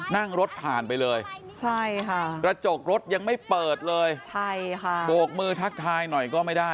นั่งรถผ่านไปเลยใช่ค่ะกระจกรถยังไม่เปิดเลยใช่ค่ะโบกมือทักทายหน่อยก็ไม่ได้